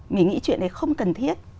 mình nghĩ chuyện này không cần thiết